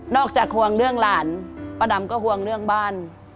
จากห่วงเรื่องหลานป้าดำก็ห่วงเรื่องบ้าน